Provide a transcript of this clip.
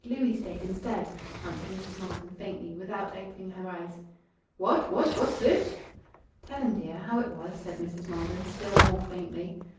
Louis stayed instead," answered Mrs. Maldon, faintly, without opening her eyes. "What? What? What's this?" "Tell him, dear, how it was," said Mrs. Maldon, still more faintly.